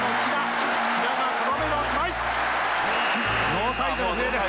ノーサイドの笛です。